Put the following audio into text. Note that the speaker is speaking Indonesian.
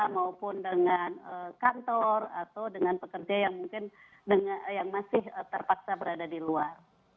maupun dengan kantor atau dengan pekerja yang mungkin yang masih terpaksa berada di luar